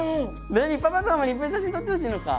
パパとママにいっぱい写真撮ってほしいのか。